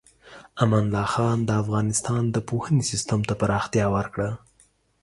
امان الله خان د افغانستان د پوهنې سیستم ته پراختیا ورکړه.